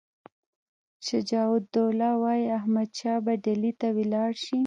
شجاع الدوله وایي احمدشاه به ډهلي ته ولاړ شي.